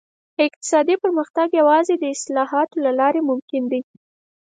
اقتصادي پرمختګ یوازې د اصلاحاتو له لارې ممکن دی.